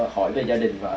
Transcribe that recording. hỏi về gia đình